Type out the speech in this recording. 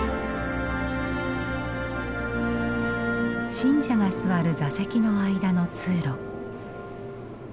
信者が座る座席の間の通路。